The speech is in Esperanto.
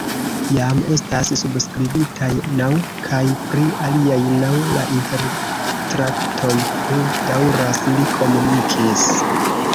Jam estas subskribitaj naŭ, kaj pri aliaj naŭ la intertraktoj plu daŭras, li komunikis.